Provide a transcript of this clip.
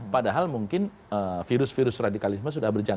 padahal mungkin virus virus radikalisme